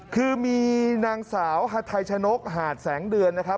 คือมีนางสาวฮาไทชนกหาดแสงเดือนนะครับ